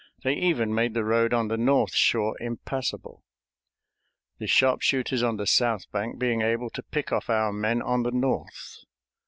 They even made the road on the north shore impassable, the sharpshooters on the south bank being able to pick off our men on the north.